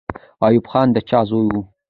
ایوب خان د چا زوی وو؟